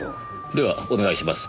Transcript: ではお願いします。